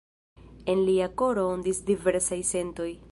En lia koro ondis diversaj sentoj.